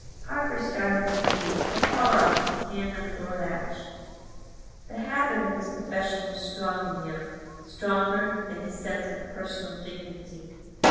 Harker started to leave, but paused, with his hand on the door latch. The habit of his profession was strong in him—stronger than his sense of personal dignity.